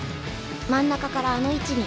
真ん中からあの位置に。